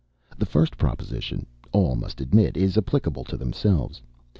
The first proposition, all must admit, is applicable to themselves.